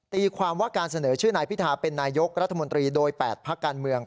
ตีความว่าการเสนอชื่อนายพิธาเป็นนายกรัฐมนตรีโดย๘พักการเมือง